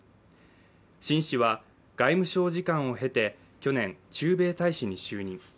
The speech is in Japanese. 秦氏は外務省次官を経て去年、駐米大使に就任。